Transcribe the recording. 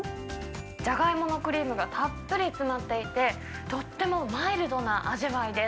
じゃがいものクリームがたっぷり詰まっていて、とってもマイルドな味わいです。